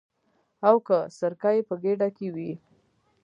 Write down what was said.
او که سرکه یې په ګېډه کې وي.